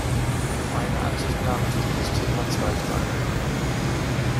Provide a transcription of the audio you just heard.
Meiner Ansicht nach ist dieses Thema zweitrangig.